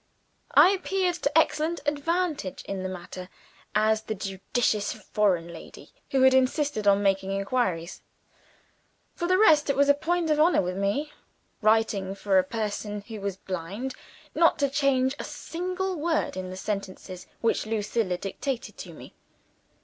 I appeared to excellent advantage in the matter, as the judicious foreign lady who had insisted on making inquiries. For the rest, it was a point of honor with me writing for a person who was blind not to change a single word in the sentences which Lucilla dictated to me.